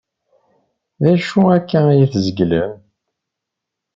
D acu akka ay tzeglem?